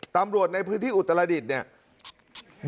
ตำรวจในพื้นที่อุตรดิษฐ์เนี่ย